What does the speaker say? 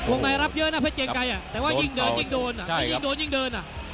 วงไกรรับเยอะนะเพชรเกียงไกรแต่ว่ายิ่งเดินยิ่งโดน